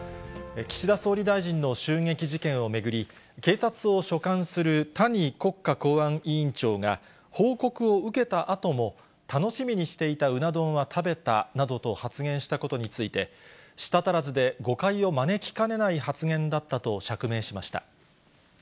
岸田総理大臣の襲撃事件を巡り、警察を所管する谷国家公安委員長が、報告を受けたあとも、楽しみにしていたうな丼は食べたなどと発言したことについて、舌足らずで誤解を招きかねない発言だったと釈明しました。